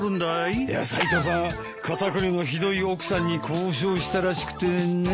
いやサイトウさん肩凝りのひどい奥さんに交渉したらしくてね。